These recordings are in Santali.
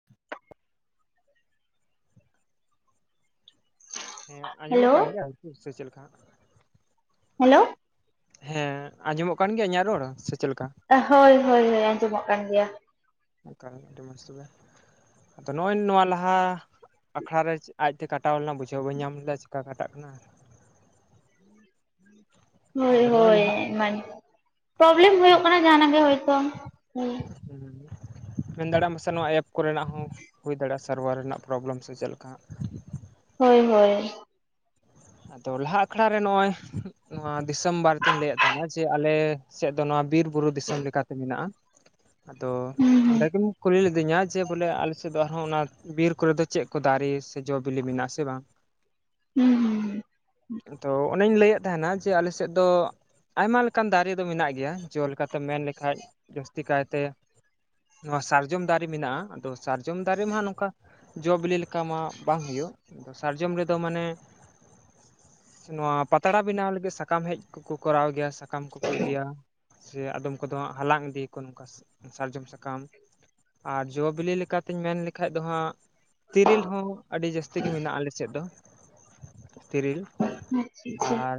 [inaudible] ᱦᱮᱸ ᱟᱸᱡᱚᱢᱚᱜ ᱠᱟᱱ ᱦᱮᱞᱳ ᱜᱮᱭᱟ ᱥᱮ ᱪᱮᱜ ᱞᱮᱠᱟ ᱦᱟᱸᱜ? ᱦᱮᱞᱳ᱾ ᱦᱮᱸ ᱟᱸᱡᱚᱢᱚᱜ ᱠᱟᱱ ᱜᱤᱭᱟ ᱤᱧᱟᱹᱜ ᱨᱚᱲ ᱥᱮ ᱪᱮᱫ ᱞᱮᱠᱟ? ᱦᱳᱭ ᱦᱳᱭ ᱦᱳᱭ ᱟᱸᱡᱚᱢᱚᱜ ᱠᱟᱱ ᱜᱤᱭᱟ᱾ ᱚᱱᱠᱟ ᱜᱮ ᱟᱹᱰᱤ ᱢᱚᱸᱡᱽ ᱛᱚᱵᱮ, ᱟᱫᱚ ᱱᱚᱜᱼᱚᱭ ᱱᱚᱣᱟ ᱞᱟᱦᱟ ᱟᱠᱷᱲᱟ ᱨᱮ ᱪᱮᱫ ᱟᱡ ᱛᱮ ᱠᱟᱴᱟᱣ ᱞᱮᱱᱟ ᱵᱩᱡᱷᱟᱹᱣ ᱵᱟᱹᱧ ᱧᱟᱢ ᱞᱮᱫᱟ ᱪᱮᱠᱟ ᱠᱟᱴᱟᱜ ᱠᱟᱱᱟ᱾ [inaudible] [inaudible] ᱦᱳᱭ ᱟᱫᱚ ᱱᱚᱜᱼᱚᱭ ᱦᱳᱭ ᱞᱟᱦᱟ ᱮᱢᱟᱱ, ᱯᱨᱚᱵᱞᱮᱢ ᱦᱩᱭᱩᱜ ᱠᱟᱱᱟ ᱡᱟᱦᱱᱟᱜ ᱜᱮ ᱦᱳᱭᱛᱚ, ᱦᱳᱭ᱾ ᱦᱩᱸ᱾ ᱢᱮᱱ ᱫᱟᱲᱮᱭᱟᱜᱼᱟ ᱯᱟᱥᱮ ᱱᱚᱣᱟ ᱮᱯ ᱠᱚᱨᱮᱱᱟᱜ ᱦᱚᱸ ᱦᱩᱭ ᱫᱟᱲᱮᱭᱟᱜᱼᱟ ᱥᱟᱨᱵᱷᱟᱨ ᱨᱮᱱᱟᱜ ᱯᱨᱚᱵᱞᱮᱢ ᱥᱮ ᱪᱮᱫ ᱞᱮᱠᱟ ᱦᱟᱸᱜ᱾ ᱦᱳᱭ ᱦᱳᱭ᱾ ᱟᱫᱚ ᱞᱟᱦᱟ ᱟᱠᱷᱲᱟ ᱨᱮ ᱱᱚᱜᱼᱚᱭ ᱱᱚᱣᱟ ᱫᱤᱥᱚᱢ ᱵᱟᱨᱮᱛᱮᱧ ᱞᱟᱹᱭᱮᱫ ᱛᱟᱦᱮᱱᱟ ᱡᱮ ᱟᱞᱮ ᱥᱮᱫ ᱫᱚ ᱱᱚᱣᱟ ᱵᱤᱨ ᱵᱩᱨᱩ ᱫᱤᱥᱚᱢ ᱞᱮᱠᱟᱛᱮ ᱢᱮᱱᱟᱜᱼᱟ᱾ ᱟᱫᱚ ᱦᱩᱸ ᱚᱸᱰᱮ ᱦᱩᱸ ᱜᱮᱢ ᱠᱩᱞᱤ ᱞᱤᱫᱤᱧᱟ ᱡᱮ ᱵᱚᱞᱮ ᱟᱞᱮ ᱥᱮᱫ ᱫᱚ ᱟᱨᱦᱚᱸ ᱚᱱᱟ ᱵᱤᱨ ᱠᱚᱨᱮ ᱫᱚ ᱪᱮᱫ ᱠᱚ ᱫᱟᱨᱮ ᱥᱮ ᱡᱚ ᱵᱤᱞᱤ ᱢᱮᱱᱟᱜᱼᱟ ᱥᱮ ᱵᱟᱝ᱾ ᱦᱩᱸ ᱦᱩᱸ ᱦᱩ᱾ ᱛᱚ ᱚᱱᱮᱧ ᱞᱟᱹᱭᱮᱫ ᱛᱟᱦᱮᱱᱟ ᱡᱮ ᱟᱞᱮ ᱥᱮᱫ ᱫᱚ ᱟᱭᱢᱟ ᱞᱮᱠᱟᱱ ᱫᱟᱨᱮ ᱫᱚ ᱢᱮᱱᱟᱜ ᱜᱮᱭᱟ, ᱡᱚ ᱞᱮᱠᱟᱛᱮᱢ ᱢᱮᱱ ᱞᱮᱠᱷᱟᱡ ᱡᱟᱹᱥᱛᱤ ᱠᱟᱭᱛᱮ ᱱᱚᱣᱟ ᱥᱟᱨᱡᱚᱢ ᱫᱟᱨᱮ ᱢᱮᱱᱟᱜᱼᱟ, ᱟᱫᱚ ᱥᱟᱨᱡᱚᱢ ᱫᱟᱨᱮ ᱢᱟ ᱦᱟᱸᱜ ᱱᱚᱝᱠᱟ ᱡᱚ ᱵᱤᱞᱤ ᱞᱮᱠᱟ ᱢᱟ ᱵᱟᱝ ᱦᱩᱭᱩᱜ-ᱟ, ᱟᱫᱚ ᱥᱟᱨᱡᱚᱢ ᱨᱮᱫᱚ ᱢᱟᱱᱮ ᱱᱚᱣᱟ ᱯᱟᱛᱲᱟ ᱵᱮᱱᱟᱣ ᱞᱟᱹᱜᱤᱫ ᱥᱟᱠᱟᱢ ᱦᱮᱡ ᱠᱚᱠᱚ ᱠᱚᱨᱟᱣ ᱜᱮᱭᱟ ᱥᱟᱠᱟᱢ ᱠᱚᱠᱚ ᱤᱫᱤᱭᱟ᱾ ᱥᱮ ᱟᱫᱚᱢ ᱠᱚᱫᱚ ᱦᱟᱸᱜ ᱦᱟᱞᱟᱝ ᱤᱫᱤᱭᱟᱠᱚ ᱱᱚᱝᱠᱟ ᱥᱟᱨᱡᱚᱢ ᱥᱟᱠᱟᱢ, ᱟᱨ ᱡᱚ ᱵᱤᱞᱤ ᱞᱮᱠᱟᱛᱤᱧ ᱢᱮᱱ ᱞᱮᱠᱷᱟᱡ ᱫᱚ ᱦᱟᱸᱜ ᱛᱤᱨᱤᱞ ᱦᱚᱸ ᱟᱹᱰᱤ ᱡᱟᱹᱥᱛᱤ ᱜᱮ ᱢᱮᱱᱟᱜᱼᱟ ᱟᱞᱮ ᱥᱮᱫ ᱫᱚ᱾ ᱛᱤᱨᱤᱞ ᱟᱪᱪᱷᱟ ᱟᱪᱪᱷᱟ ᱟᱨ,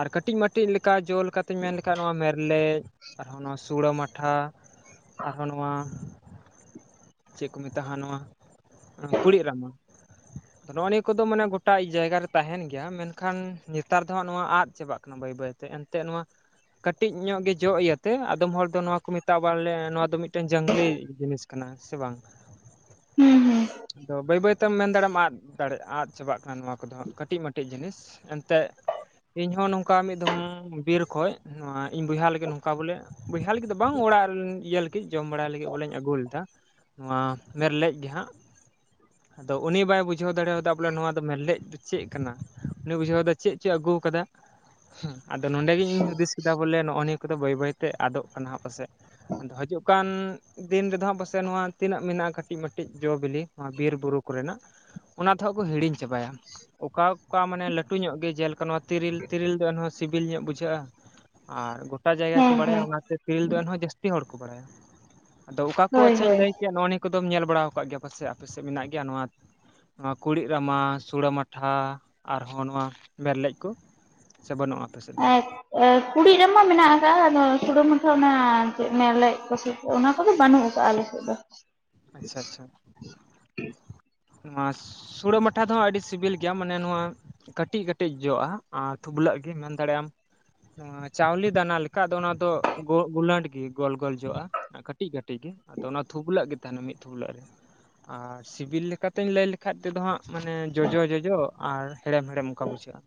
ᱟᱨ ᱠᱟᱹᱴᱤᱡ ᱢᱟ ᱴᱤᱡ ᱞᱮᱠᱟ ᱡᱚ ᱞᱮᱠᱟ ᱛᱮᱧ ᱢᱮᱱ ᱞᱮᱠᱷᱟᱡ ᱱᱚᱣᱟ ᱢᱮᱨᱞᱮᱡ ᱟᱨᱦᱚᱸ ᱱᱚᱣᱟ ᱥᱩᱲᱟᱹ ᱢᱟᱴᱷᱟ, ᱟᱨᱦᱚᱸ ᱱᱚᱣᱟ ᱪᱮᱫ ᱠᱚ ᱢᱮᱛᱟᱜᱼᱟ ᱱᱚᱣᱟ ᱮᱸ ᱠᱩᱲᱤᱫ ᱨᱟᱢᱟ᱾ ᱛᱚ ᱱᱚᱜᱼᱚ ᱱᱤᱭᱟᱹ ᱠᱚᱫᱚ ᱢᱟᱱᱮ ᱜᱚ ᱴᱟ ᱡᱟᱭᱜᱟ ᱨᱮ ᱛᱟᱦᱮᱱ ᱜᱮᱭᱟ ᱢᱮᱱᱠᱷᱟᱱ ᱱᱮᱛᱟᱨ ᱫᱚ ᱦᱟᱸᱜ ᱱᱚᱣᱟ ᱟᱫ ᱪᱟᱵᱟᱜ ᱠᱟᱱᱟ ᱵᱟᱹᱭ ᱵᱟᱹᱭ ᱛᱮ ᱮᱱᱛᱮᱜ ᱱᱚᱣᱟ ᱠᱟᱹᱴᱤᱡ ᱧᱚᱜ ᱜᱮ ᱡᱚᱜ ᱤᱭᱟᱹᱛᱮ ᱟᱫᱚᱢ ᱦᱚᱲ ᱫᱚ ᱱᱚᱣᱟ ᱠᱚ ᱢᱮᱛᱟᱜ-ᱟ ᱵᱚᱞᱮ ᱱᱚᱣᱟ ᱫᱚ ᱢᱤᱫᱴᱮᱱ ᱡᱟᱝᱞᱤ ᱡᱤᱱᱤᱥ ᱠᱟᱱᱟ ᱥᱮ ᱵᱟᱝ, ᱦᱩᱸ ᱦᱩᱸ ᱟᱫᱚ ᱵᱟᱹᱭ ᱵᱟᱹᱭ ᱛᱮᱢ ᱢᱮᱱ ᱫᱟᱲᱮᱢ ᱟᱫ ᱫᱟᱲᱮᱜ ᱟᱫ ᱪᱟᱵᱟᱜ ᱠᱟᱱᱟ ᱱᱚᱣᱟ ᱠᱚᱫᱚ ᱦᱟᱸᱜ ᱠᱟᱹᱴᱤᱡ ᱢᱟᱴᱤᱡ ᱡᱤᱱᱤᱥ ᱮᱱᱛᱮᱫ ᱤᱧᱦᱚᱸ ᱱᱚᱝᱠᱟ ᱢᱤᱫ ᱫᱷᱚᱢ ᱵᱤᱨ ᱠᱷᱚᱡ ᱱᱚᱣᱟ ᱤᱧ ᱵᱚᱭᱦᱟ ᱞᱟᱹᱜᱤᱫ ᱱᱚᱝᱠᱟ ᱵᱚᱞᱮ ᱵᱚᱭᱦᱟ ᱞᱟᱹᱜᱤᱫ ᱫᱚ ᱵᱟᱝ ᱚᱲᱟᱜ ᱤᱭᱟᱹ ᱞᱟᱹᱜᱤᱫ ᱡᱚᱢ ᱵᱟᱲᱟᱭ ᱞᱟᱹᱜᱤᱫ ᱵᱚᱞᱮᱧ ᱟᱹᱜᱩ ᱞᱮᱫᱟ᱾ ᱱᱚᱣᱟ ᱢᱮᱨᱞᱮᱡ ᱜᱮ ᱦᱟᱸᱜ, ᱟᱫᱚ ᱩᱱᱤ ᱵᱟᱭ ᱵᱩᱡᱷᱟᱹᱣ ᱫᱟᱲᱮᱣᱟᱫᱟ ᱵᱚᱞᱮ ᱱᱚᱣᱟ ᱫᱟ ᱢᱮᱨᱞᱮᱡ ᱫᱚ ᱪᱮᱫ ᱠᱟᱱᱟ, ᱩᱱᱤ ᱵᱩᱡᱷᱟᱹᱣᱫᱟ ᱪᱮᱫ ᱪᱚᱭ ᱟᱹᱜᱩ ᱠᱟᱫᱟ, ᱦᱩᱸ, ᱟᱫᱚ ᱱᱚᱸᱰᱮ ᱜᱤᱧ ᱦᱩᱫᱤᱥ ᱠᱮᱫᱟ ᱵᱚᱞᱮ ᱱᱚᱜᱼᱚ ᱱᱤᱭᱟᱹ ᱠᱚᱫᱚ ᱵᱟᱹᱭ ᱵᱟᱹᱭᱛᱮ ᱟᱫᱚᱜ ᱠᱟᱱᱟ ᱦᱟᱸᱜ ᱯᱟᱥᱮᱫ᱾ ᱟᱫᱚ ᱦᱟᱡᱩᱜ ᱠᱟᱱ ᱫᱤᱱ ᱨᱮᱫᱚ ᱦᱟᱸᱜ ᱯᱟᱥᱮ ᱱᱚᱣᱟ ᱛᱤᱱᱟᱹᱜ ᱢᱮᱱᱟᱜᱼᱟ ᱠᱟᱹᱴᱤᱡ ᱢᱟᱴᱤᱡ ᱡᱚ ᱵᱤᱞᱤ ᱱᱚᱣᱟ ᱵᱤᱨ ᱵᱩᱨᱩ ᱠᱚᱨᱮᱱᱟᱜ, ᱚᱱᱟ ᱫᱚ ᱦᱟᱸᱜ ᱠᱚ ᱦᱤᱲᱤᱧ ᱪᱟᱵᱟᱭᱟ᱾ ᱚᱠᱟ ᱚᱠᱟ ᱢᱟᱱᱮ ᱞᱟᱹᱴᱩ ᱧᱚᱜ ᱜᱮ ᱡᱮᱞᱮᱠᱟ ᱱᱚᱣᱟ ᱛᱮᱨᱤᱞ ᱛᱮᱨᱤᱞ ᱫᱚ ᱮᱱᱦᱚᱸ ᱥᱤᱵᱤᱞ ᱧᱚᱜ ᱵᱩᱡᱷᱟᱹᱜᱼᱟ᱾ [unintelligible] ᱜᱳᱴᱟ ᱡᱟᱭᱜᱟ ᱠᱚ ᱦᱮᱸ ᱦᱮᱸ ᱵᱟᱲᱟᱭᱟ ᱚᱱᱟᱛᱮ ᱛᱤᱨᱤᱞ ᱫᱚ ᱮᱱᱦᱚᱸ ᱡᱟᱹᱥᱛᱤ ᱦᱚᱲ ᱠᱚ ᱵᱟᱲᱟᱭᱟ ᱟᱫᱚ ᱚᱠᱟ ᱠᱚ ᱦᱳᱭ ᱟᱪᱪᱷᱟᱹᱧ ᱦᱳᱭ ᱞᱟᱹᱭ ᱱᱚᱜ ᱱᱤᱭᱟᱹ ᱠᱚᱫᱚᱢ ᱧᱮᱞ ᱵᱟᱲᱟ ᱟᱠᱟᱫ ᱜᱮᱭᱟ ᱯᱟᱥᱮ ᱟᱯᱮ ᱥᱮᱫ ᱢᱮᱱᱟᱜ ᱜᱮᱭᱟ ᱱᱚᱣᱟ ᱱᱚᱣᱟ ᱠᱩᱲᱤᱫ ᱨᱟᱢᱟ? ᱥᱩᱲᱟᱹ ᱢᱟᱴᱷᱟ ᱟᱨᱦᱚᱸ ᱱᱚᱣᱟ ᱢᱮᱨᱞᱮᱡ ᱠᱚ ᱥᱮ ᱵᱟᱹᱱᱩᱜ-ᱟ ᱟᱯᱮ ᱥᱮᱫ ᱫᱚ ᱦᱟᱸᱜ? ᱮ ᱠᱩᱲᱤᱫ ᱨᱟᱢᱟ ᱢᱮᱱᱟᱜ ᱟᱠᱟᱜ-ᱟ ᱟᱫᱚ ᱥᱩᱲᱟᱹ ᱢᱟᱴᱷᱟ ᱚᱱᱟ ᱪᱮᱫ ᱢᱮᱨᱞᱮᱡ ᱠᱚᱥᱮ ᱚᱱᱟ ᱠᱚᱫᱚ ᱵᱟᱹᱱᱩᱜ ᱠᱟᱜ-ᱟ ᱟᱞᱮ ᱥᱮᱫ ᱫᱚ᱾ ᱟᱪᱪᱷᱟ ᱟᱪᱪᱷᱟ᱾ ᱱᱚᱣᱟ ᱥᱩᱲᱟᱹ ᱢᱟᱴᱷᱟ ᱫᱚ ᱦᱟᱸᱜ ᱟᱹᱰᱤ ᱥᱤᱵᱤᱞ ᱜᱮᱭᱟ ᱢᱟᱱᱮ ᱱᱚᱣᱟ ᱠᱟᱹᱴᱤᱡ ᱠᱟᱹᱴᱤᱡ ᱡᱚ-ᱟ ᱟᱨ ᱛᱩᱵᱞᱟᱹᱜ ᱜᱮ ᱢᱮᱱ ᱫᱟᱲᱮᱭᱟᱜ ᱟᱢ ᱱᱚᱣᱟ ᱪᱟᱣᱞᱮ ᱫᱟᱱᱟ ᱞᱮᱠᱟ ᱟᱫᱚ ᱚᱱᱟ ᱫᱚ ᱜᱳᱜ ᱜᱩᱞᱟᱹᱴ ᱜᱮ ᱜᱳᱞ ᱜᱳᱞ ᱡᱚ-ᱟ᱾ ᱠᱟᱹᱴᱤᱡ ᱠᱟᱹᱴᱤᱡ ᱜᱮ ᱟᱫᱚ ᱚᱱᱟ ᱛᱷᱩᱯᱞᱟᱹᱜ ᱜᱮ ᱛᱟᱦᱮᱱᱟ ᱢᱤᱫ ᱛᱷᱩᱯᱞᱟᱹᱜ ᱨᱮ ᱟᱨ ᱥᱤᱵᱤᱞ ᱞᱮᱠᱟ ᱛᱮᱧ ᱞᱟᱹᱭ ᱞᱮᱠᱷᱟᱡ ᱛᱮᱫᱚ ᱦᱟᱸᱜ ᱢᱟᱱᱮ ᱡᱚᱡᱚ ᱡᱚᱡᱚ ᱟᱨ ᱦᱮᱬᱮᱢ ᱦᱮᱬᱮᱢ ᱚᱱᱠᱟ ᱵᱩᱡᱷᱟᱹᱜ-ᱟ᱾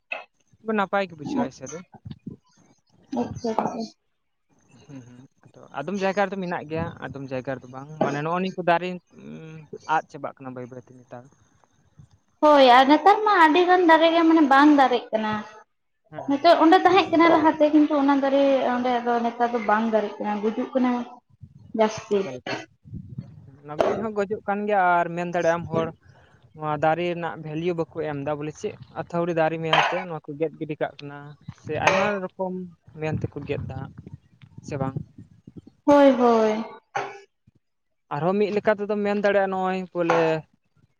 ᱱᱟᱯᱟᱭ ᱜᱮ ᱵᱩᱡᱷᱟᱹᱣᱟ ᱮᱥᱮ ᱫᱚ᱾ [unintelligible] ᱦᱮᱸ ᱦᱮᱸ ᱟᱫᱚᱢ ᱡᱟᱭᱜᱟ ᱨᱮᱫᱚ ᱢᱮᱱᱟᱜ ᱜᱮᱭᱟ ᱟᱫᱚᱢ ᱡᱟᱭᱜᱟ ᱵᱟᱝ ᱢᱟᱱᱮ ᱱᱚᱜ-ᱚᱭ ᱱᱤᱭᱟᱹ ᱫᱟᱨᱮ ᱟᱫ ᱪᱟᱵᱟᱜ ᱠᱟᱱᱟ ᱵᱟᱹᱭ ᱵᱟᱹᱭᱛᱮ ᱱᱮᱛᱟᱨ ᱦᱳᱭ ᱟᱨ ᱱᱮᱛᱟᱨ ᱢᱟ ᱟᱹᱰᱤᱜᱟᱱ ᱫᱟᱨᱮ ᱜᱮ ᱢᱟᱱᱮ ᱵᱟᱝ ᱫᱟᱨᱮᱜ ᱠᱟᱱᱟ ᱦᱮᱸ ᱦᱮᱸ ᱱᱤᱛᱚᱜ ᱚᱸᱰᱮ ᱛᱟᱦᱮᱸᱫ ᱠᱟᱱᱟ ᱞᱟᱦᱟᱛᱮ ᱠᱤᱱᱛᱩ ᱚᱱᱟ ᱫᱟᱨᱮ ᱚᱸᱰᱮ ᱫᱚ ᱱᱮᱛᱟᱨ ᱫᱚ ᱵᱟᱝ ᱫᱟᱨᱮᱜ ᱠᱟᱱᱟ ᱜᱩᱡᱩᱜ ᱠᱟᱱᱟ᱾ ᱡᱟᱹᱥᱛᱤ ᱪᱮᱫ ᱞᱮᱠᱟ ᱚᱱᱟ ᱜᱚᱡ ᱦᱚᱸ ᱜᱚᱡᱚᱜ ᱠᱟᱱ ᱜᱮᱭᱟ ᱟᱨ ᱢᱮᱱ ᱫᱟᱲᱮᱭᱟᱜ ᱟᱢ ᱦᱚᱲ ᱱᱚᱣᱟ ᱫᱟᱨᱮ ᱨᱮᱱᱟᱜ ᱵᱷᱮᱞᱤᱭᱩ ᱵᱟᱠᱚ ᱮᱢ ᱮᱫᱟ ᱵᱚᱞᱮ ᱪᱮᱫ ᱟᱹᱛᱷᱟᱹᱣᱲᱤ ᱫᱟᱨᱮ ᱢᱮᱱᱛᱮ ᱱᱚᱣᱟ ᱠᱚ ᱜᱮᱫ ᱜᱤᱰᱤ ᱠᱟᱜ ᱠᱟᱱᱟ᱾ ᱥᱮ ᱟᱭᱢᱟ ᱨᱚᱠᱚᱢ ᱢᱮᱱ ᱛᱮᱠᱚ ᱜᱮᱫ ᱫᱟ ᱥᱮ ᱵᱟᱝ᱾ ᱦᱳᱭ ᱦᱳᱭ᱾ ᱟᱨᱦᱚᱸ ᱢᱤᱫ ᱞᱮᱠᱟ ᱛᱮᱫᱚᱢ ᱢᱮᱱ ᱫᱟᱲᱮᱭᱟᱜ-ᱟ ᱱᱚ-ᱚᱭ ᱵᱚᱞᱮ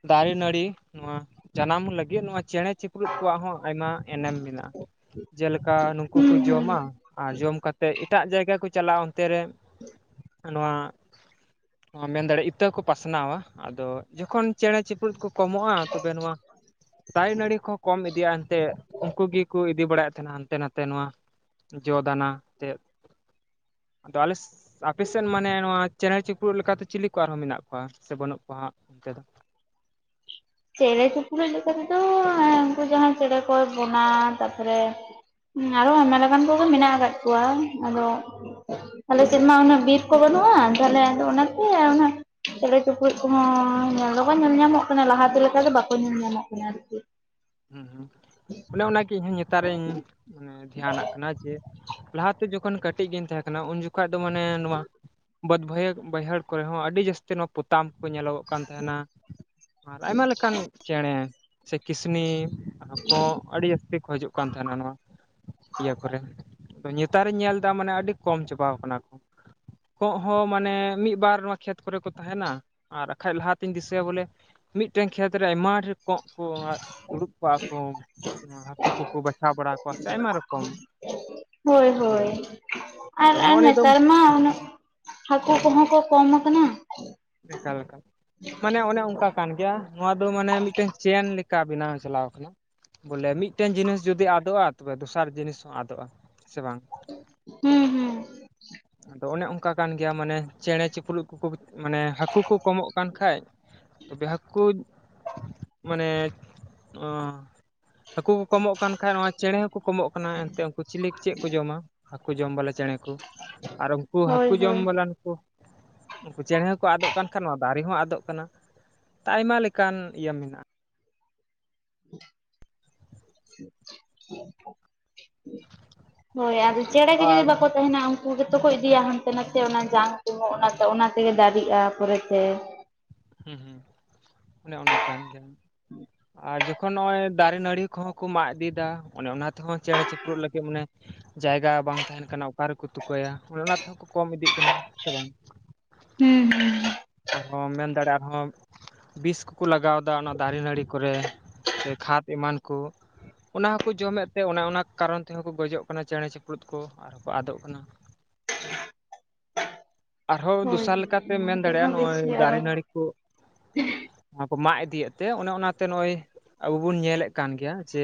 ᱫᱟᱨᱮ ᱱᱟᱹᱲᱤ ᱱᱚᱣᱟ ᱡᱟᱱᱟᱢ ᱞᱟᱹᱜᱤᱫ ᱱᱚᱣᱟ ᱪᱮᱬᱮᱸ ᱪᱤᱯᱨᱩᱫ ᱠᱚᱣᱟᱜ ᱦᱚᱸ ᱟᱭᱢᱟ ᱮᱱᱮᱢ ᱢᱮᱱᱟᱜ-ᱟ᱾ ᱡᱮᱞᱮᱠᱟ ᱱᱩᱠᱩ ᱠᱚ ᱦᱩᱸ ᱦᱩᱸ ᱡᱚᱢᱟ ᱟᱨ ᱡᱚᱢ ᱠᱟᱛᱮᱫ ᱮᱴᱟᱜ ᱡᱟᱭᱜᱟ ᱠᱚ ᱪᱟᱞᱟᱜ-ᱟ, ᱚᱱᱛᱮ ᱨᱮ [unintelligible] ᱱᱚᱣᱟ ᱢᱮᱱ ᱫᱟᱲᱮᱭᱟᱜ-ᱟ ᱤᱛᱟᱹ ᱠᱚ ᱯᱟᱥᱱᱟᱣᱟ ᱟᱫᱚ ᱡᱚᱠᱷᱚᱱ ᱪᱮᱬᱮᱸ ᱪᱤᱯᱨᱩᱫ ᱠᱚ ᱠᱚᱢᱚᱜ-ᱟ ᱛᱚᱵᱮ ᱱᱚᱣᱟ ᱫᱟᱨᱮ ᱱᱟᱹᱲᱤ ᱠᱚ ᱠᱚᱢ ᱤᱫᱤᱜ-ᱟ ᱟᱱᱛᱮ ᱩᱱᱠᱩ ᱜᱮᱠᱚ ᱤᱫᱤ ᱵᱟᱲᱟᱭᱮᱫ ᱛᱟᱦᱮᱱᱟ ᱦᱟᱱᱛᱮ ᱱᱟᱛᱮ ᱱᱚᱣᱟ ᱡᱚ ᱫᱟᱱᱟ ᱟᱫᱚ ᱟᱞᱮ ᱟᱯᱮ ᱥᱮᱫ ᱢᱟᱱᱮ ᱱᱚᱣᱟ ᱪᱮᱬᱮᱸ ᱪᱩᱯ ᱨᱩᱯᱲᱩᱜ ᱞᱮᱠᱟᱛᱮ ᱪᱤᱞᱤ ᱠᱚ ᱟᱨᱦᱚᱸ ᱢᱮᱱᱟᱜ ᱠᱚᱣᱟ ᱥᱮ ᱵᱟᱹᱱᱩᱜ ᱠᱚᱣᱟ ᱦᱟᱸᱜ ᱚᱱᱛᱮ ᱫᱚ? ᱪᱮᱬᱮᱸ ᱪᱩᱯᱨᱩᱫ ᱞᱮᱠᱟ ᱛᱮᱫᱚ ᱩᱱᱠᱩ ᱡᱟᱦᱟᱸᱭ ᱪᱮᱬᱮᱸ ᱠᱚ ᱵᱚᱱᱟ ᱛᱟᱯᱚᱨᱮ ᱟᱨᱚ ᱟᱭᱢᱟ ᱞᱮᱠᱟᱱ ᱠᱚᱜᱮ ᱢᱮᱱᱟᱜ ᱟᱠᱟᱫ ᱠᱚᱣᱟ, ᱟᱫᱚ ᱟᱞᱮ ᱥᱮᱫ ᱢᱟ ᱩᱱᱟᱹᱜ ᱵᱤᱨ ᱠᱚ ᱵᱟᱹᱱᱩᱜ-ᱟ ᱛᱟᱦᱚᱞᱮ ᱟᱫᱚ ᱚᱱᱟᱛᱮ ᱪᱮᱬᱮᱸ ᱪᱩᱯᱲᱩᱫ ᱠᱚᱦᱚᱸ ᱧᱮᱞ ᱫᱚᱠᱚ ᱧᱮᱞ ᱧᱟᱢᱚᱜ ᱠᱟᱱᱟ ᱞᱟᱦᱟᱛᱮ ᱞᱮᱠᱟ ᱫᱚ ᱵᱟᱠᱚ ᱧᱮᱞ ᱧᱟᱢᱚᱜ ᱠᱟᱱᱟ ᱟᱨᱠᱤ᱾ ᱦᱩᱸ ᱦᱩᱸ ᱚᱱᱮ ᱚᱱᱟᱜᱮ ᱤᱧᱦᱩᱧ ᱱᱮᱛᱟᱨ ᱨᱤᱧ ᱫᱷᱮᱭᱟᱱᱟᱜ ᱠᱟᱱᱟ ᱡᱮ ᱞᱟᱦᱟᱛᱮ ᱡᱚᱠᱷᱚᱱ ᱠᱟᱹᱴᱤᱡ ᱜᱤᱧ ᱛᱟᱦᱮᱸ ᱠᱟᱱᱟ ᱩᱱ ᱡᱚᱠᱷᱚᱡ ᱫᱚ ᱢᱟᱱᱮ ᱱᱚᱣᱟ ᱵᱟᱹᱫᱽ ᱵᱟᱹᱭ ᱵᱟᱹᱭᱦᱟᱹᱲ ᱠᱚᱨᱮ ᱦᱚᱸ ᱟᱹᱰᱤ ᱡᱟᱹᱥᱛᱤ ᱱᱚᱣᱟ ᱯᱩᱛᱷᱤ ᱛᱟᱢ ᱠᱚ ᱧᱮᱞᱚᱜᱚᱜ ᱠᱟᱱ ᱛᱟᱦᱮᱱᱟ ᱟᱨ ᱟᱭᱢᱟ ᱞᱮᱠᱟᱱ ᱪᱮᱬᱮᱸ ᱥᱮ ᱠᱤᱥᱱᱤ᱾ ᱟᱠᱚ ᱟᱹᱰᱤ ᱡᱟᱹᱥᱛᱤ ᱠᱚ ᱦᱤᱡᱩᱜ ᱠᱟᱱ ᱛᱟᱦᱮᱱᱟ ᱱᱚᱣᱟ ᱤᱭᱟᱹ ᱠᱚᱨᱮ ᱱᱮᱛᱟᱨᱤᱧ ᱧᱮᱞ ᱫᱟ ᱢᱟᱱᱮ ᱟᱹᱰᱤ ᱠᱚᱢ ᱪᱟᱵᱟᱟᱣ ᱠᱟᱱᱟ ᱠᱚ ᱾ ᱠᱚᱸᱜ ᱦᱚᱸ ᱢᱟᱱᱮ ᱢᱤᱫᱵᱟᱨ ᱱᱚᱣᱟ ᱠᱷᱮᱛ ᱠᱚᱨᱮ ᱠᱚ ᱛᱟᱦᱮᱱᱟ᱾ ᱟᱨ ᱟᱠᱷᱟᱡ ᱞᱟᱦᱟᱛᱤᱧ ᱫᱤᱥᱟᱹᱭᱟ ᱵᱚᱞᱮ ᱢᱤᱫᱴᱮᱱ ᱠᱷᱮᱛ ᱨᱮ ᱟᱭᱢᱟ ᱰᱷᱮᱨ ᱠᱚᱸᱜ ᱠᱚ ᱫᱩᱲᱩᱵ ᱠᱚᱜ-ᱟ ᱠᱚ ᱦᱟᱹᱠᱩ ᱠᱚᱠᱚ ᱵᱟᱪᱷᱟᱣ ᱵᱟᱲᱟ ᱠᱚᱣᱟ ᱥᱮ ᱟᱭᱢᱟ ᱨᱚᱠᱚᱢ᱾ ᱦᱳᱭ ᱤᱭᱟᱹ ᱦᱳᱭ ᱟᱨ ᱛᱚ ᱟᱨ ᱱᱚᱜᱼᱚ ᱱᱤᱭᱟᱹ ᱫᱚ ᱱᱮᱛᱟᱨ ᱢᱟ ᱩᱱᱟᱹᱜ ᱦᱟᱹᱠᱩ ᱠᱚᱦᱚᱸ ᱠᱚ ᱠᱚᱢ ᱟᱠᱟᱱᱟ ᱾ ᱪᱮᱠᱟ ᱞᱮᱠᱟ ᱢᱟᱱᱮ ᱚᱱᱮ ᱚᱱᱠᱟ ᱠᱟᱱ ᱜᱮᱭᱟ ᱱᱚᱣᱟ ᱫᱚ ᱢᱟᱱᱮ ᱢᱤᱫᱴᱮᱱ ᱪᱮᱱ ᱞᱮᱠᱟ ᱵᱮᱱᱟᱣ ᱪᱟᱞᱟᱣ ᱟᱠᱟᱱᱟ ᱾ ᱵᱚᱞᱮ ᱢᱤᱫᱴᱮᱱ ᱡᱤᱱᱤᱥ ᱡᱩᱫᱤ ᱟᱫᱚᱜᱼᱟ ᱛᱚᱵᱮ ᱫᱚᱥᱟᱨ ᱡᱤᱱᱤᱥ ᱦᱚᱸ ᱟᱫᱚᱜᱼᱟ ᱥᱮ ᱵᱟᱝ ᱾ ᱦᱩᱸ ᱦᱩᱸ ᱾ ᱟᱫᱚ ᱚᱱᱮ ᱚᱱᱠᱟ ᱠᱟᱱ ᱜᱮᱭᱟ ᱢᱟᱱᱮ ᱪᱮᱬᱮ ᱪᱤᱯᱨᱩᱫ ᱠᱩᱡ ᱢᱟᱱᱮ ᱦᱟᱹᱠᱩ ᱠᱚ ᱠᱚᱢᱚᱜ ᱠᱟᱱ ᱠᱷᱟᱡ ᱛᱚᱵᱮ ᱦᱟᱹᱠᱩᱡ ᱢᱟᱱᱮ ᱚᱸ ᱦᱟᱹᱠᱩ ᱠᱚ ᱠᱚᱢᱚᱜ ᱠᱟᱱ ᱠᱷᱟᱡ ᱱᱚᱣᱟ ᱪᱮᱬᱮ ᱦᱚᱸᱠᱚ ᱠᱚᱢᱚᱜ ᱠᱟᱱᱟ ᱮᱱᱛᱮᱫ ᱩᱱᱠᱩ ᱪᱤᱞᱤᱠ ᱪᱮᱜ ᱠᱚ ᱡᱚᱢᱟ ᱾ ᱦᱟᱹᱠᱩ ᱡᱚᱢ ᱵᱟᱞᱟ ᱪᱮᱬᱮ ᱠᱚ ᱟᱨ ᱩᱱᱠᱩ ᱦᱳᱭ ᱦᱟᱹᱠᱩ ᱡᱚᱢ ᱦᱳᱭ ᱵᱟᱞᱟ ᱱᱩᱠᱩ ᱩᱱᱠᱩ ᱪᱮᱬᱮ ᱦᱚᱸᱠᱚ ᱟᱫᱚᱜ ᱠᱟᱱ ᱠᱷᱟᱱ ᱢᱟ ᱫᱟᱨᱮ ᱦᱚᱸ ᱟᱫᱚᱜ ᱠᱟᱱᱟ ᱟᱭᱢᱟ ᱞᱮᱠᱟᱱ ᱤᱭᱟᱹ ᱢᱮᱱᱟᱜ ᱾ [inaudible] ᱦᱳᱭ ᱟᱫᱚ ᱪᱮᱬᱮ ᱜᱮ ᱟᱨ ᱡᱩᱫᱤ ᱵᱟᱠᱚ ᱛᱟᱦᱮᱱᱟ ᱩᱱ ᱠᱩ ᱜᱮᱛᱚ ᱠᱚ ᱤᱫᱤᱭᱟ ᱦᱟᱱᱛᱮ ᱱᱟᱛᱮ ᱚᱱᱟ ᱡᱟᱝ ᱛᱩᱱᱩᱜ ᱚᱱᱟᱛᱮ ᱚᱱᱟ ᱛᱮᱜᱮ ᱫᱟᱨᱮᱜᱼᱟ ᱯᱚᱨᱮᱛᱮ ᱩᱸᱻᱦᱩᱸ ᱚᱱᱮ ᱚᱱᱟ ᱠᱟᱱ ᱜᱮᱭᱟ ᱾ [inaudible] ᱟᱨ ᱡᱚᱠᱷᱚᱱ ᱱᱚᱜᱼᱚᱭ ᱫᱟᱨᱮ ᱱᱟᱹᱲᱤ ᱠᱚᱦᱚᱸ ᱠᱚ ᱢᱟᱜ ᱤᱫᱤᱭ ᱮᱫᱟ ᱚᱱᱮ ᱚᱱᱟ ᱛᱮᱦᱚᱸ ᱪᱮᱬᱮ ᱪᱤᱯᱨᱩᱫ ᱞᱟᱹᱜᱤᱫ ᱢᱟᱱᱮ ᱡᱟᱭᱜᱟ ᱵᱟᱝ ᱛᱟᱦᱮᱱ ᱠᱟᱱᱟ ᱚᱠᱟ ᱨᱮᱠᱚ ᱛᱩᱠᱟᱹᱭᱟ ᱚᱱᱮ ᱚᱱᱟ ᱛᱮᱦᱚᱸ ᱠᱚ ᱠᱚᱢ ᱤᱫᱤᱜ ᱠᱟᱱᱟ ᱥᱮ ᱵᱟᱝ ᱾ ᱦᱩᱸ ᱦᱩᱸ ᱾ ᱟᱨᱦᱚᱸ ᱢᱮᱱ ᱫᱟᱲᱮᱜ ᱟᱨᱦᱚᱸ ᱵᱤᱥ ᱠᱚᱠᱚ ᱞᱟᱜᱟᱣ ᱮᱫᱟ ᱚᱱᱟ ᱫᱟᱨᱮ ᱱᱟᱹᱲᱤ ᱠᱚᱨᱮ ᱥᱮ ᱠᱷᱟᱫᱽ ᱮᱢᱟᱱ ᱠᱚ ᱾ ᱚᱱᱟ ᱦᱚᱸᱠᱚ ᱡᱚᱢᱮᱜ ᱛᱮ ᱚᱱᱟ ᱚᱱᱟ ᱠᱟᱨᱚᱱ ᱛᱮᱦᱚᱸ ᱠᱚ ᱜᱚᱡᱚᱜ ᱠᱟᱱᱟ ᱪᱮᱬᱮ ᱪᱤᱯᱨᱩᱫ ᱠᱚ ᱟᱨ ᱦᱚᱸ ᱠᱚ ᱟᱫᱚᱜ ᱠᱟᱱᱟ᱾ ᱟᱨ ᱦᱚᱸ ᱦᱳᱭ ᱫᱚᱥᱟᱨ ᱞᱮᱠᱟ ᱛᱮᱢ ᱚᱱᱟ ᱢᱮᱱ ᱠᱷᱟᱹᱛᱤᱨ ᱫᱟᱲᱮᱜ-ᱟ ᱦᱚᱸ ᱱᱚᱜ-ᱚᱭ ᱵᱮᱥᱤ ᱟᱨᱚ ᱫᱟᱨᱮ ᱱᱟᱹᱲᱤ ᱠᱚ᱾ ᱚᱱᱟ ᱠᱚ ᱢᱟᱜ ᱤᱫᱤᱭᱮᱜ ᱛᱮ ᱚᱱᱮ ᱚᱱᱟ ᱛᱮ ᱱᱚᱜ-ᱚᱭ ᱟᱵᱩ ᱵᱩᱱ ᱧᱮᱞᱮᱜ ᱠᱟᱱ ᱜᱮᱭᱟ ᱡᱮ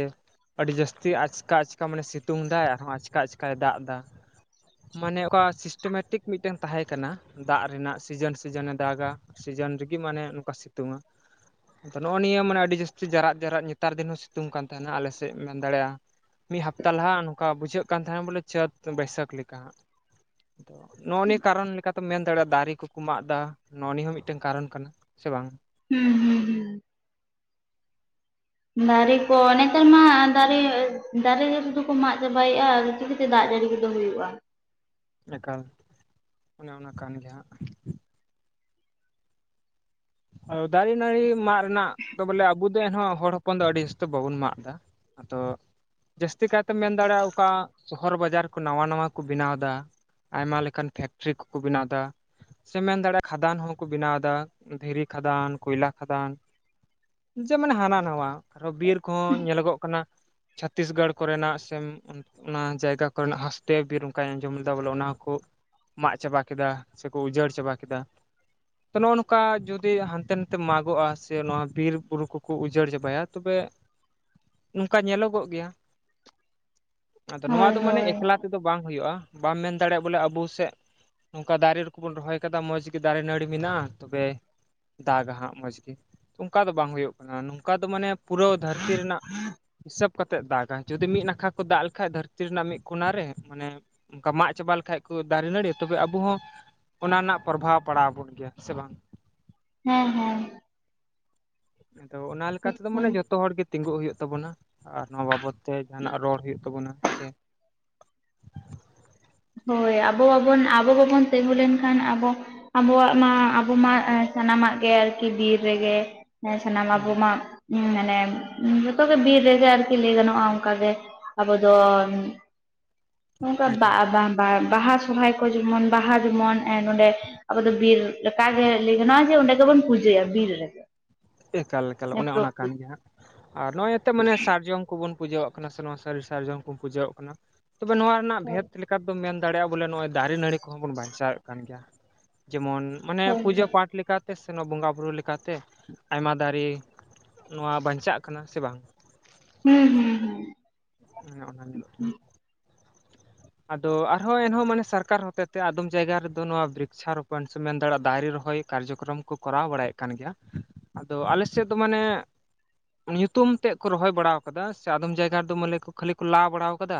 ᱟᱹᱰᱤ ᱡᱟᱹᱥᱛᱤ ᱟᱪᱠᱟ ᱟᱪᱠᱟ ᱢᱟᱱᱮ ᱥᱤᱛᱩᱝ ᱫᱟᱭ ᱟᱨᱦᱚᱸ ᱟᱪᱠᱟ ᱟᱪᱠᱟᱭ ᱫᱟᱜ ᱮᱫᱟ᱾ ᱢᱟᱱᱮ ᱚᱠᱟ ᱥᱤᱥᱴᱮᱢᱮᱴᱤᱠ ᱢᱤᱫᱴᱮᱱ ᱛᱟᱦᱮᱸ ᱠᱟᱱᱟ ᱫᱟᱜ ᱨᱮᱱᱟᱜ ᱥᱤᱡᱟᱹᱱ ᱥᱤᱡᱟᱹᱱᱮ ᱫᱟᱜᱟ ᱥᱤᱡᱟᱹᱱ ᱨᱮᱜᱮ ᱢᱟᱱᱮ ᱱᱚᱝᱠᱟ ᱥᱤᱛᱩᱝᱟ᱾ ᱱᱚᱜ-ᱚ ᱱᱤᱭᱟᱹ ᱢᱟᱱᱮ ᱟᱹᱰᱤ ᱡᱟᱹᱥᱛᱤ ᱡᱟᱨᱟᱜ ᱡᱟᱨᱟᱜ ᱱᱮᱛᱟᱨ ᱫᱤᱱ ᱦᱚᱸ ᱥᱤᱛᱩᱝ ᱠᱟᱱ ᱛᱟᱦᱮᱱᱟ ᱟᱞᱮ ᱥᱮᱜ ᱢᱮᱱ ᱫᱟᱲᱮᱭᱟᱜ-ᱟ᱾ ᱢᱤᱫ ᱦᱟᱯᱛᱟ ᱞᱟᱦᱟ ᱱᱚᱠᱟ ᱵᱩᱡᱷᱟᱹᱜ ᱠᱟᱱ ᱛᱟᱦᱮᱸᱜ ᱵᱚᱞᱮ ᱪᱟᱹᱛ ᱵᱟᱹᱭᱥᱟᱹᱠ ᱞᱮᱠᱟ ᱦᱟᱸᱜ᱾ ᱱᱚᱜ-ᱚ ᱱᱤᱭᱟᱹ ᱠᱟᱨᱚᱱ ᱞᱮᱠᱟ ᱛᱮᱢ ᱢᱮᱱ ᱫᱟᱲᱮᱭᱟᱜ-ᱟ ᱫᱟᱨᱮ ᱠᱩ ᱠᱩ ᱢᱟᱜ ᱮᱫᱟ ᱱᱚᱜ-ᱚ ᱱᱤᱭᱟᱹ ᱦᱚᱸ ᱢᱤᱫᱴᱮᱱ ᱠᱟᱨᱚᱱ ᱠᱟᱱᱟ ᱥᱮ ᱵᱟᱝ᱾ ᱦᱩᱸ᱾ ᱦᱩᱸ ᱦᱩᱸ ᱫᱟᱨᱮ ᱠᱚ ᱱᱮᱛᱟᱨ ᱢᱟ ᱫᱟᱨᱮ ᱫᱟᱨᱮ ᱨᱮ ᱫᱚ ᱠᱚ ᱢᱟᱜ ᱪᱟᱵᱟᱭᱮᱜ-ᱟ ᱟᱫᱚ ᱪᱤᱞᱤ ᱛᱮ ᱫᱟᱜ ᱡᱟᱹᱲᱤ ᱠᱚᱫᱚ ᱦᱩᱭᱩᱜ-ᱟ᱾ ᱮᱠᱟᱞ ᱚᱱᱮ ᱚᱱᱟ ᱠᱟᱱ ᱜᱮᱭᱟ ᱦᱟᱸᱜ᱾ ᱟᱹᱣ ᱫᱟᱨᱮ ᱱᱟᱹᱲᱤ ᱢᱟᱜ ᱨᱮᱱᱟᱜ ᱫᱚ ᱵᱚᱞᱮ ᱟᱵᱚ ᱫᱚ ᱮᱱ ᱦᱚᱸ ᱦᱚᱲ ᱦᱚᱯᱚᱱ ᱫᱚ ᱟᱹᱰᱤ ᱡᱟᱹᱥᱛᱤ‌ ᱫᱚ ᱵᱟᱵᱚᱱ ᱢᱟᱜ ᱮᱫᱟ᱾ ᱟᱫᱚ ᱡᱟᱹᱥᱛᱤ ᱠᱟᱭ ᱛᱮᱢ ᱢᱮᱱ ᱫᱟᱲᱮᱜ-ᱟ ᱚᱠᱟ ᱥᱚᱦᱚᱨ ᱵᱟᱡᱟᱨ ᱠᱚ ᱱᱟᱣᱟ ᱱᱟᱣᱟ ᱠᱚ ᱵᱮᱱᱟᱣ ᱫᱟ᱾ ᱟᱭᱢᱟ ᱞᱮᱠᱟᱱ ᱯᱷᱮᱠᱴᱨᱤ ᱠᱩ ᱠᱩ ᱵᱮᱱᱟᱣ ᱫᱟ ᱥᱮ ᱢᱮᱱ ᱫᱟᱲᱮᱜ-ᱟ ᱠᱷᱟᱫᱟᱱ ᱦᱚᱸ ᱠᱚ ᱵᱮᱱᱟᱣ ᱫᱟ᱾ ᱫᱷᱤᱨᱤ ᱠᱷᱟᱫᱟᱱ ᱠᱩᱭᱞᱟ ᱠᱷᱟᱫᱟᱱ᱾ ᱡᱮ ᱢᱟᱱᱮ ᱦᱟᱱᱟ ᱱᱟᱣᱟ ᱟᱨ ᱦᱚᱸ ᱵᱤᱨ ᱠᱚᱦᱚᱸ ᱧᱮᱞᱚᱜᱚᱜ ᱠᱟᱱᱟ᱾ ᱪᱷᱟᱹᱛᱛᱤᱥᱜᱚᱲ ᱠᱚᱨᱮᱱᱟᱜ ᱥᱮᱢ ᱩᱱ ᱚᱱᱟ ᱡᱟᱭᱜᱟ ᱠᱚᱨᱮ ᱱᱟᱜ ᱦᱟᱸᱥᱴᱮ ᱵᱤᱨ ᱚᱱᱠᱟᱧ ᱟᱸᱡᱚᱢ ᱞᱮᱫᱟ ᱵᱚᱞᱮ ᱚᱱᱟ ᱠᱚ ᱢᱟᱜ ᱪᱟᱵᱟ ᱠᱮᱫᱟ ᱥᱮᱠᱚ ᱩᱡᱟᱹᱲ ᱪᱟᱵᱟ ᱠᱮᱫᱟ ᱛᱚ ᱱᱚᱜ-ᱚ ᱱᱚᱜ ᱠᱟ ᱡᱩᱫᱤ ᱦᱟᱱᱛᱮ ᱱᱟᱛᱮ ᱢᱟᱜᱚᱜ-ᱟ ᱥᱮ ᱱᱚᱣᱟ ᱵᱤᱨ ᱵᱩᱨᱩ ᱠᱚᱠᱚ ᱩᱡᱟᱹᱲ ᱪᱟᱵᱟᱭᱟ ᱛᱚᱵᱮ ᱱᱚᱝᱠᱟ ᱧᱮᱞᱚᱜᱚᱜ ᱜᱮᱭᱟ᱾ ᱟᱫᱚ ᱦᱳᱭ ᱱᱚᱣᱟ ᱫᱚ ᱢᱟᱱᱮ ᱦᱳᱭ ᱮᱠᱞᱟ ᱛᱮᱫᱚ ᱵᱟᱝ ᱦᱩᱭᱩᱜ-ᱟ᱾ ᱵᱟᱢ ᱢᱮᱱ ᱫᱟᱲᱮᱭᱟᱜ-ᱟ ᱵᱚᱞᱮ ᱟᱹᱵᱩ ᱥᱮᱜ ᱱᱚᱝᱠᱟ ᱫᱟᱨᱮ ᱨᱮ ᱠᱚᱵᱚᱱ ᱨᱚᱦᱚᱭ ᱠᱟᱫᱟ ᱢᱚᱡᱽ ᱜᱮ ᱫᱟᱨᱮ ᱱᱟᱹᱲᱤ ᱢᱤᱱᱟᱜ-ᱟ᱾ ᱛᱚᱵᱮᱭ ᱫᱟᱜᱟ ᱦᱟᱸᱜ ᱢᱚᱡᱽ ᱜᱮ᱾ ᱚᱱᱠᱟ ᱫᱚ ᱵᱟᱝ ᱦᱩᱭᱩᱜ ᱠᱟᱱᱟ ᱱᱩᱝᱠᱟ ᱫᱚ ᱢᱟᱱᱮ ᱯᱩᱨᱟᱹᱣ ᱫᱷᱟᱹᱨᱛᱤ ᱨᱮᱱᱟᱜ ᱦᱤᱥᱟᱹᱯ ᱠᱟᱛᱮᱜ ᱫᱟᱜᱟᱭ᱾ ᱡᱩᱫᱤ ᱢᱤᱫ ᱱᱟᱠᱷᱟ ᱠᱚ ᱫᱟᱜ ᱞᱮᱠᱷᱟᱡ ᱫᱷᱟᱹᱨᱛᱤ ᱨᱮᱱᱟᱜ ᱢᱤᱫ ᱠᱚᱱᱟ ᱨᱮ ᱢᱟᱱᱮ ᱚᱱᱠᱟ ᱢᱟᱜ ᱪᱟᱵᱟ ᱞᱮᱠᱷᱟᱡ ᱠᱚ ᱫᱟᱨᱮ ᱱᱟᱹᱲᱤ, ᱛᱚᱵᱮ ᱟᱵᱚ ᱦᱚᱸ ᱚᱱᱟ ᱨᱮᱱᱟᱜ ᱯᱨᱚᱵᱷᱟᱵᱽ ᱯᱟᱲᱟᱣ ᱵᱚᱱ ᱜᱮᱭᱟ᱾ ᱥᱮ ᱵᱟᱝ᱾ ᱦᱮᱸ ᱦᱮᱸ᱾ ᱟᱫᱚ ᱚᱱᱟ ᱞᱮᱠᱟ ᱛᱮᱫᱚ ᱢᱟᱱᱮ ᱮᱠᱫᱚᱢ ᱡᱚᱛᱚ ᱦᱚᱲ ᱜᱮ ᱛᱤᱸᱜᱩᱜ ᱦᱩᱭᱩᱜ ᱛᱟᱵᱚᱱᱟ ᱟᱨ ᱱᱚᱣᱟ ᱵᱟᱵᱚᱛ ᱛᱮ ᱡᱟᱦᱟᱸ ᱱᱟᱜ ᱨᱚᱲ ᱦᱩᱭᱩᱜ ᱛᱟᱵᱚᱱᱟ ᱥᱮ ᱦᱳᱭ ᱟᱵᱚ ᱵᱟᱵᱚᱱ ᱟᱵᱚ ᱵᱟᱵᱚᱱ ᱛᱮᱸᱜᱩ ᱞᱮᱱᱠᱷᱟᱱ ᱟᱵᱚ ᱟᱵᱚᱣᱟᱜ ᱢᱟ ᱟᱵᱚ ᱢᱟ ᱮ ᱥᱟᱱᱟᱢᱟᱜ ᱜᱮ ᱟᱨᱠᱤ ᱵᱤᱨ ᱨᱮᱜᱮ᱾ ᱦᱮᱸ ᱥᱟᱱᱟᱢ ᱟᱵᱚ ᱢᱟ ᱩᱸ ᱢᱟᱱᱮ ᱡᱚᱛᱚ ᱜᱮ ᱵᱤᱨ ᱨᱮᱜᱮ ᱟᱨᱠᱤ ᱞᱟᱹᱭ ᱜᱟᱱᱚᱜ-ᱟ ᱚᱱᱠᱟ ᱜᱮ᱾ ᱟᱵᱚ ᱫᱚ ᱱᱚᱝᱠᱟ ᱵᱟ ᱮᱠᱟᱞ ᱟᱯ ᱵᱟᱝ ᱵᱟ ᱵᱟᱦᱟ ᱥᱚᱨᱦᱟᱭ ᱠᱚ ᱡᱮᱢᱚᱱ ᱵᱟᱦᱟ ᱮᱸ ᱡᱮᱢᱚᱱ ᱱᱚᱸᱰᱮ ᱟᱵᱚ ᱫᱚ ᱵᱤᱨ ᱞᱮᱠᱟ ᱜᱮ ᱞᱟᱹᱭ ᱜᱟᱱᱚᱜ-ᱟ ᱡᱮ ᱚᱸᱰᱮ ᱜᱮᱵᱚᱱ ᱯᱩᱡᱟᱹᱭᱟ ᱵᱤᱨ ᱨᱮ᱾ ᱮᱠᱟᱞ ᱮᱠᱟᱞ ᱚᱱᱮ ᱚᱱᱟ ᱠᱟᱱ ᱜᱮᱭᱟ ᱦᱟᱸᱜ ᱟᱨ ᱱᱚᱜ-ᱚᱭ ᱮᱛᱮᱜ ᱢᱟᱱᱮ ᱥᱟᱨᱡᱚᱢ ᱠᱚ ᱵᱚᱱ ᱯᱩᱡᱟᱹᱣᱟᱜ ᱠᱟᱱᱟ ᱥᱮ ᱱᱚᱣᱟ ᱥᱟᱹᱨᱤ ᱥᱟᱨᱡᱚᱢ ᱠᱚ ᱯᱩᱡᱟᱹᱣᱟᱜ ᱠᱟᱱᱟ᱾ ᱛᱚᱵᱮ ᱱᱚᱣᱟ ᱨᱮᱱᱟᱜ ᱦᱳᱭ ᱵᱷᱮᱫᱽ ᱞᱮᱠ ᱠᱟ‌ ᱛ ᱫᱚᱢ ᱢᱮᱱ ᱫᱟᱲᱮᱭᱟᱜ-ᱟ ᱵᱚᱞᱮ ᱱᱚᱜ-ᱚᱭ ᱫᱟᱨᱮ ᱱᱟᱹᱲᱤ ᱠᱚᱦᱚᱸ ᱵᱚᱱ ᱵᱟᱧᱪᱟᱣᱮᱜ ᱠᱟᱱ ᱜᱮᱭᱟ᱾ ᱡᱮᱢᱚᱱ ᱢᱟᱱᱮ ᱦᱳᱭ ᱯᱩᱡᱟᱹ ᱦᱳᱭ ᱯᱟᱴ ᱞᱮᱠᱟ ᱛᱮ ᱥᱮ ᱱᱚᱶᱟ ᱵᱚᱸᱜᱟ ᱵᱩᱨᱩ ᱞᱮᱠᱟ ᱛᱮ᱾ ᱟᱭᱢᱟ ᱫᱟᱨᱤ ᱱᱚᱣᱟ ᱵᱟᱧᱪᱟᱜ ᱠᱟᱱᱟ ᱥᱮ ᱵᱟᱝ? ᱦᱩᱸ ᱦᱩᱸ ᱦᱩᱸ᱾ ᱦᱮᱸ ᱚᱱᱟ ᱧᱮᱞᱚᱜ ᱠᱟᱱᱟ? ᱟᱫᱚ ᱟᱨ ᱦᱚᱸ ᱮᱱᱦᱚᱸ ᱢᱟᱱᱮ ᱥᱟᱨᱠᱟᱨ ᱦᱚᱛᱮᱛᱮ ᱟᱫᱚᱢ ᱡᱟᱭᱜᱟ ᱨᱮᱫᱚ ᱱᱚᱣᱟ ᱵᱽᱨᱤᱠᱪᱷᱟ ᱨᱚᱯᱚᱱ ᱥᱮᱢ ᱢᱮᱱ ᱫᱟᱲᱮᱜ-ᱟ ᱫᱟᱨᱤ ᱨᱚᱦᱚᱭᱸ ᱠᱟᱨᱡᱚᱠᱨᱚᱢ ᱠᱚ ᱠᱚᱨᱟᱣ ᱵᱟᱲᱟᱭᱮᱜ ᱠᱟᱱ ᱜᱮᱭᱟ, ᱟᱫᱚ ᱟᱞᱮ ᱥᱮᱜ ᱫᱚ ᱢᱟᱱᱮ ᱚᱱᱤ ᱧᱩᱛᱩᱢ ᱛᱮᱫ ᱠᱚ ᱨᱚᱦᱚᱭ ᱵᱟᱲᱟᱣ ᱟᱠᱟᱫᱟ ᱥᱮ ᱟᱫᱚᱢ ᱡᱟᱭᱜᱟ ᱨᱮᱫᱚ ᱢᱟᱱᱮ ᱠᱚ ᱠᱷᱟᱹᱞᱤ ᱠᱚ ᱞᱟ ᱵᱟᱲᱟᱣ ᱟᱠᱟᱫᱟ᱾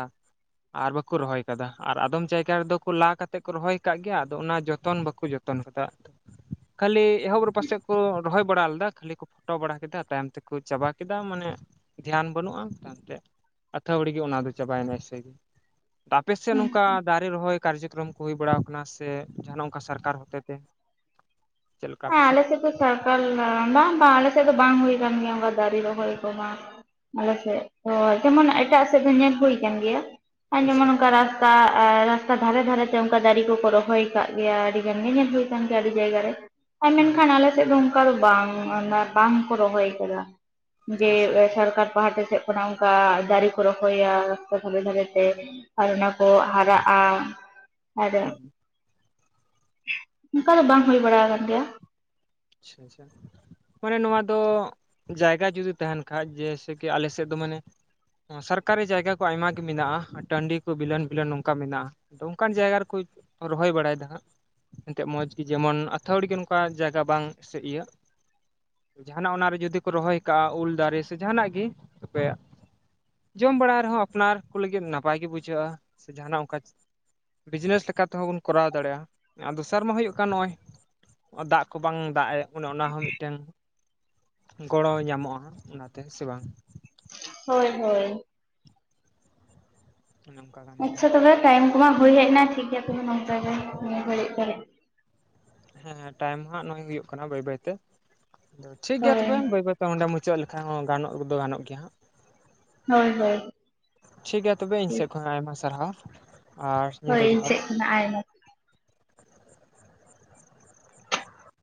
ᱟᱨ ᱵᱟᱠ ᱠᱩ ᱨᱚᱦᱚᱭ ᱟᱠᱟᱫᱟ ᱟᱨ ᱟᱫᱚᱢ ᱡᱟᱭᱜᱟ ᱨᱮᱫᱚ ᱠᱚ ᱞᱟ ᱠᱟᱛᱮᱜ ᱠᱚ ᱨᱚᱦᱚᱭ ᱠᱟᱜ ᱜᱮᱭᱟ ᱟᱫᱚ ᱚᱱᱟ ᱡᱚᱛᱚᱱ ᱵᱟᱠᱚ ᱡᱚᱛᱚᱱ ᱠᱟᱫᱟ᱾ ᱠᱷᱟᱹᱞᱤ ᱮᱦᱚᱵ ᱨᱮ ᱯᱟᱥᱮ ᱠᱚ ᱨᱚᱦᱚᱭ ᱵᱟᱲᱟ ᱞᱮᱫᱟ ᱠᱷᱟᱹᱞᱤ ᱠᱚ ᱯᱷᱳᱴᱳ ᱵᱟᱲᱟ ᱠᱮᱫᱟ, ᱛᱟᱭᱚᱢ ᱛᱮᱠᱚ ᱪᱟᱵᱟ ᱠᱮᱫᱟ ᱢᱟᱱᱮ ᱫᱷᱮᱭᱟᱱ ᱵᱟᱹᱱᱩᱜ-ᱟ [unintelligible] ᱟᱹᱛᱷᱟᱣᱲᱤ ᱜᱮ ᱚᱱᱟ ᱫᱚ ᱪᱟᱵᱟᱭᱱᱟ ᱮᱥᱮ ᱜᱮ᱾ ᱴᱟ ᱟᱯᱮ ᱥᱮᱫ ᱦᱩᱸ ᱱᱚᱝᱠᱟ ᱫᱟᱨᱮ ᱨᱚᱦᱚᱭ ᱠᱟᱨᱡᱚᱠᱨᱚᱢ ᱠᱚ ᱦᱩᱭ ᱵᱟᱲᱟᱣ ᱠᱟᱱᱟ ᱥᱮ ᱡᱟᱦᱟᱱᱟᱜ ᱚᱱᱠᱟ ᱥᱚᱨᱠᱟᱨ ᱦᱚᱛᱮᱛᱮ? ᱟ ᱟᱞᱮ ᱥᱮᱫ ᱫᱚ ᱥᱚᱨᱠᱟᱨ ᱨᱟ ᱵᱟᱝ ᱵᱟᱝ ᱟᱞᱮ ᱥᱮᱫ ᱫᱚ ᱵᱟᱝ ᱦᱩᱭ ᱟᱠᱟᱱ ᱜᱮᱭᱟ ᱚᱱᱠᱟ ᱫᱟᱨᱮ ᱨᱚᱦᱚᱭ ᱠᱚ ᱵᱟᱝ ᱟᱞᱮ ᱥᱮᱫ ᱛᱚ ᱡᱮᱢᱚᱱ ᱮᱴᱟᱜ ᱥᱮᱫ ᱫᱚ ᱧᱮᱞ ᱦᱩᱭ ᱠᱟᱱ ᱜᱮᱭᱟ ᱟᱨ ᱟᱪᱪᱷᱟ ᱡᱮᱢᱚᱱ ᱚᱱᱠᱟ ᱨᱟᱥ ᱠᱟ ᱟᱨ ᱨᱟᱥᱛᱟ ᱫᱷᱟᱨᱮ ᱫᱷᱟᱨᱮᱛᱮ ᱚᱱᱠᱟ ᱫᱟᱨᱮ ᱠᱚᱠᱚ ᱨᱚᱦᱚᱭ ᱠᱟᱜ ᱜᱮᱭᱟ, ᱟᱹᱰᱤ ᱜᱟᱱ ᱜᱮ ᱧᱮᱞ ᱦᱩᱭ ᱠᱟᱱ ᱜᱮᱭᱟ ᱟᱹᱰᱤ ᱡᱟᱭᱜᱟ ᱨᱮ᱾ ᱟᱨ ᱦᱩᱸ ᱢᱮᱱᱠᱷᱟᱱ ᱟᱞᱮ ᱥᱮᱫ ᱫᱚ ᱚᱱᱠᱟ ᱫᱚ ᱵᱟᱝ ᱚᱱᱟ ᱵᱟᱝ ᱠᱚ ᱨᱚᱦᱚᱭ ᱠᱟᱫᱟ᱾ ᱡᱮ ᱟᱪᱪᱷᱟ ᱥᱚᱨᱠᱟᱨ ᱯᱟᱦᱴᱟ ᱥᱮᱫ ᱠᱷᱚᱱᱟᱜ ᱚᱱᱠᱟ ᱫᱟᱨᱮ ᱠᱚ ᱨᱚᱦᱚᱭᱟ ᱠᱚ ᱨᱟᱥᱛᱟ ᱫᱷᱟᱨᱮ ᱫᱷᱟᱨᱮᱛᱮ᱾ ᱟᱨ ᱚᱱᱟ ᱠᱚ ᱦᱟᱨᱟᱜ-ᱟ᱾ ᱟᱨᱚ ᱦᱩᱸ ᱚᱱᱠᱟ ᱫᱚ ᱵᱟᱝ ᱦᱩᱭ ᱵᱟᱲᱟ ᱟᱠᱟᱱ ᱜᱮᱭᱟ᱾ ᱪᱷᱟᱸ ᱪᱷᱟᱸ᱾ ᱢᱟᱱᱮ ᱱᱚᱣᱟ ᱫᱚ᱾ ᱡᱟᱭᱜᱟ ᱡᱩᱫᱤ ᱛᱟᱦᱮᱱ ᱠᱷᱟᱡ ᱡᱮᱭᱥᱮ ᱠᱤ ᱟᱞᱮ ᱥᱮᱫ ᱫᱚ ᱢᱟᱱᱮ ᱥᱟᱨᱠᱟᱨᱤ ᱡᱟᱭᱜᱟ ᱠᱚ ᱟᱭᱢᱟ ᱜᱤ ᱢᱮᱱᱟᱜ-ᱟ᱾ ᱴᱟᱺᱰᱤ ᱠᱩ ᱵᱤᱞᱟ. ᱱ ᱵᱤᱞᱟ. ᱱ ᱱᱚᱝᱠᱟ ᱢᱮᱱᱟᱜ-ᱟ᱾ ᱟᱫᱚ ᱚᱱᱠᱟᱱ ᱡᱟᱭᱜᱟ ᱨᱮᱠᱩ ᱨᱚᱦᱚᱭ ᱵᱟᱲᱟᱭ ᱫᱟ ᱦᱟᱸᱜ᱾ ᱮᱱᱛᱮᱜ ᱢᱚᱡᱽ ᱜᱤ ᱡᱮᱢᱚᱱ ᱟᱛᱷᱟ. ᱣᱲᱤ ᱜᱮ ᱱᱚᱝᱠᱟ ᱡᱟᱭᱜᱟ ᱵᱟᱝ ᱥᱮ ᱤᱭᱟᱹ ᱡᱟᱦᱟᱱᱟᱜ ᱚᱱᱟᱨᱮ ᱡᱩᱫᱤ ᱠᱚ ᱨᱚᱦᱚᱭ ᱠᱟᱜ-ᱟ ᱩᱞ ᱫᱟᱨᱮ ᱥᱮ ᱡᱟᱦᱟᱱᱟᱜ ᱜᱤ ᱛᱚᱯᱮᱼᱼᱼ ᱡᱚᱢ ᱵᱟᱲᱟ ᱨᱮᱦᱚᱸ ᱟᱯᱱᱟᱨ ᱠᱩ ᱞᱤᱜᱤᱫ ᱱᱟᱯᱟᱭ ᱜᱮ ᱵᱩᱡᱷᱟᱹᱜ-ᱟ ᱥᱮ ᱡᱟᱦᱟᱱᱟᱜ ᱚᱱᱠᱟᱼᱼᱼ ᱵᱤᱡᱽᱱᱮᱥ ᱞᱮᱠᱟ ᱛᱮᱦᱚᱸ ᱵᱚᱱ ᱠᱚᱨᱟᱣ ᱫᱟᱲᱮᱭᱟᱜ-ᱟ ᱫᱚᱥᱟᱨ ᱢᱟ ᱦᱩᱭᱩᱜ ᱠᱟᱱ ᱱᱚᱜ-ᱚᱭᱼᱼᱼ ᱫᱟᱜ ᱠᱚ ᱵᱟᱝ ᱫᱟᱜ ᱮ ᱚᱱᱮ ᱚᱱᱟ ᱦᱚᱸ ᱢᱤᱫᱴᱮᱱ ᱜᱚᱲᱚ ᱧᱟᱢᱚᱜ-ᱟ ᱚᱱᱟᱛᱮ ᱦᱮᱥᱮ ᱵᱟᱝ? ᱦᱳᱭ ᱦᱳᱭ᱾ ᱚᱱᱮ ᱚᱱᱠᱟ ᱠᱟᱱ ᱜᱮᱭᱟ ᱟᱪᱪᱷᱟ ᱛᱚᱵᱮ ᱴᱟᱭᱤᱢ ᱠᱚᱢᱟ ᱦᱩᱭ ᱦᱮᱡ ᱮᱱᱟ ᱴᱷᱤᱠ ᱜᱮᱭᱟ ᱛᱚᱵᱮ ᱱᱚᱝᱠᱟ ᱜᱮ ᱱᱩᱱ ᱜᱷᱟᱹᱲᱤᱡ᱾ [unintelligible] ᱦᱮᱸ ᱴᱟᱭᱤᱢ ᱢᱟ ᱦᱟᱜ ᱱᱚᱜ-ᱚᱭ ᱦᱩᱭᱩᱜ ᱠᱟᱱᱟ ᱵᱟᱹᱭ ᱵᱟᱹᱭᱛᱮ ᱟᱫᱚ ᱴᱷᱤᱠ ᱜᱮᱭᱟ ᱦᱳᱭ ᱛᱚᱵᱮ ᱵᱟᱹᱭ ᱵᱟᱹᱭᱼᱼᱼ ᱛᱮ ᱚᱸᱰᱮ ᱢᱩᱪᱟᱹᱜ ᱞᱮᱠᱷᱟᱱ ᱦᱚᱸ ᱜᱟᱱᱚᱜ ᱫᱚ ᱜᱟᱱᱚᱜ ᱜᱮᱭᱟ ᱦᱟᱸᱜ᱾ ᱦᱳᱭ ᱦᱳᱭ᱾ ᱴᱷᱤᱠ ᱜᱮᱭᱟ ᱛᱚᱵᱮ ᱤᱧ ᱦᱳᱭ ᱥᱮᱫ ᱠᱷᱚᱱ ᱦᱚᱸ ᱟᱭᱢᱟ ᱥᱟᱨᱦᱟᱣ᱾ ᱟᱨ ᱦᱳᱭ ᱧᱤᱫᱟᱹ ᱤᱧ ᱡᱚᱦᱟᱨ ᱥᱮᱫ ᱠᱷᱚᱱᱟᱜ ᱟᱭᱢᱟᱼᱼᱼ